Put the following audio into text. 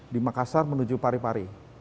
di makassar menuju pari pari